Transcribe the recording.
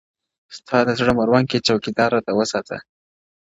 ستا د زړه مړوند كي چــوكـــيـــــدار راته وســـــاتـــــه _